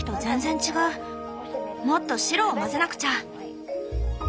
もっと白を混ぜなくちゃ。